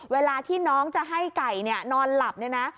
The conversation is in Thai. เวลาที่น้องจะให้ไก่นอนหลับเนี่ยนะ